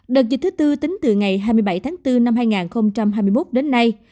đợt dịch thứ tư tính từ ngày hai mươi bảy tháng bốn năm hai nghìn hai mươi một đến nay